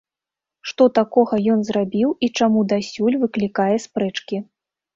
Што такога ён зрабіў і чаму дасюль выклікае спрэчкі?